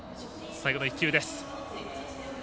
最後の１球です。